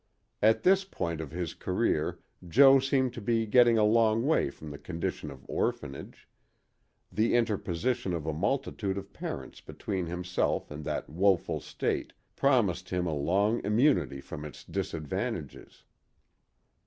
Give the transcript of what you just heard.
At this point of his career Jo seemed to be getting a long way from the condition of orphanage; the interposition of a multitude of parents between himself and that woeful state promised him a long immunity from its disadvantages.